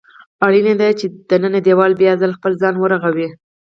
اړینه ده چې دننی دېوال بیا ځل خپل ځان ورغوي.